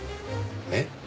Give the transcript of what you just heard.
えっ？